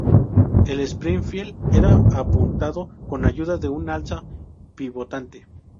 El Springfield era apuntado con ayuda de un alza pivotante.